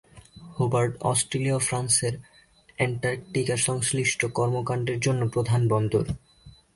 Hobart Australia ও ফ্রান্সের অ্যান্টার্কটিকা-সংশ্লিষ্ট কর্মকাণ্ডের জন্য প্রধান বন্দর।